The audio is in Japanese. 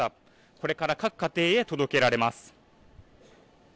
これから各家庭に届けられます。